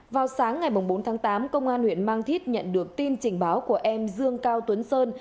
vào sáng ngày bốn tháng tám công an huyện mang thít nhận được tin trình báo của em dương cao tuấn sơn